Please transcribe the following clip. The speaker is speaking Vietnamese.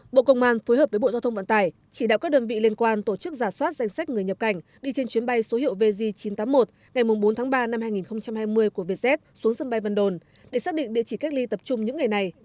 bộ công an phối hợp với bộ giao thông vận tải chỉ đạo các đơn vị liên quan tổ chức giả soát danh sách người nhập cảnh đi trên chuyến bay số hiệu vz chín trăm tám mươi một ngày bốn tháng ba năm hai nghìn hai mươi của vietjet xuống sân bay vân đồn để xác định địa chỉ cách ly tập trung những ngày này